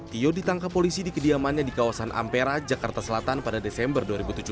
tio ditangkap polisi di kediamannya di kawasan ampera jakarta selatan pada desember dua ribu tujuh belas